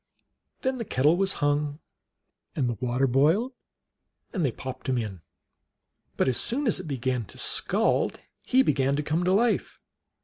Then the kettle was hung and the water boiled, and they popped him in. But as soon as it began to scald he began to come to life.